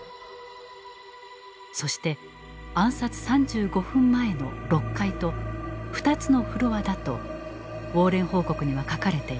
そして暗殺３５分前の６階と２つのフロアだと「ウォーレン報告」には書かれている。